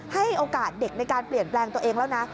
ให้โอกาสเด็กในการเปลี่ยนแปลงตัวเองแล้วนะ